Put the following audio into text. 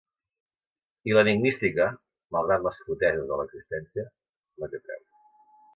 I l'enigmística, malgrat les foteses de l'existència, no té preu.